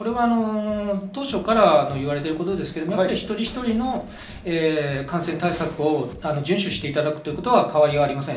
当初から言われていることですが、一人一人の感染対策を重視していただくことには変わりありません。